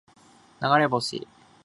流れ星を見ることは難しい